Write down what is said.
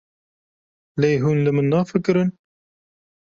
Lê hûn li min nafikirin?